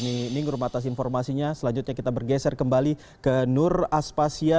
ini ningrum atas informasinya selanjutnya kita bergeser kembali ke nur aspasya